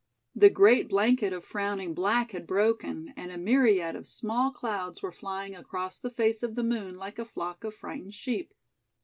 The great blanket of frowning black had broken, and a myriad of small clouds were flying across the face of the moon like a flock of frightened sheep.